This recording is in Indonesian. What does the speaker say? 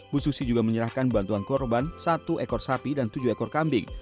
bu susi juga menyerahkan bantuan korban satu ekor sapi dan tujuh ekor kambing